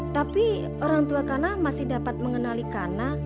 tapi orang tua kana masih dapat mengenali kana